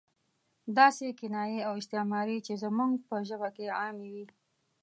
داسې کنایې او استعارې چې زموږ په ژبه کې عامې وي.